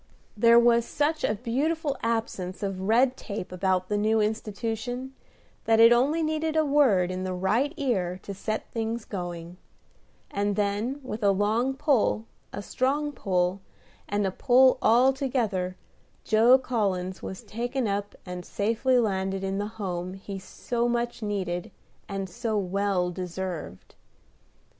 There was such a beautiful absence of red tape about the new institution that it only needed a word in the right ear to set things going; and then, with a long pull, a strong pull, and a pull all together, Joe Collins was taken up and safely landed in the Home he so much needed and so well deserved.